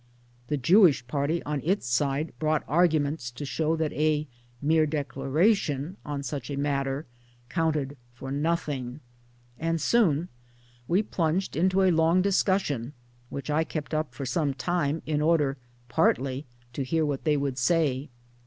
The Jewish party on its side brought arguments to show that a mere declaration on such a matter counted for nothing ; and soon we plunged into a long discussion which I kept up for some time in order (partly) to hear what they would say.